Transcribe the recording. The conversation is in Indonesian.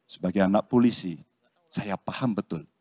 sebagai anak polisi saya paham betul